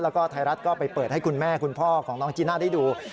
แล้วก็ไทยรัฐก็ไปเปิดให้คุณแม่คุณพ่อของน้องจีน่าได้ดู